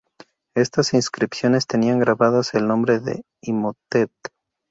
Estas inscripciones tenían grabadas el nombre de Imhotep.